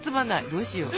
どうしよう。